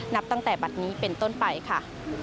นับตั้งแต่บัตรนี้เป็นต้นไปค่ะ